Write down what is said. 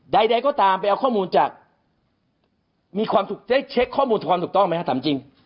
ใดก็ตามไปเอาข้อมูลจากมีความสุขได้เช็คข้อมูลทรถูกต้องไหมครับถามจริง